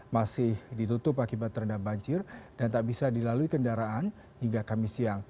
masih ditutup akibat terendam banjir dan tak bisa dilalui kendaraan hingga kamis siang